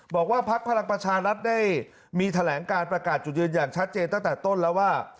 พักพลังประชารัฐได้มีแถลงการประกาศจุดยืนอย่างชัดเจนตั้งแต่ต้นแล้วว่า